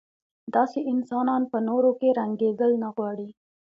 داسې انسانان په نورو کې رنګېدل نه غواړي.